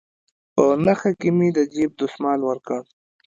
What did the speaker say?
په نخښه كښې مې د جيب دسمال وركړ.